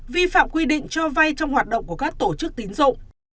vi phạm quy định cho vay trong hoạt động của các tổ chức tín dụng